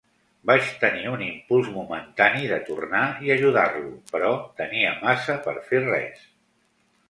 Vaig tenir un impuls momentani de tornar i ajudar-lo, però tenia massa per fer res.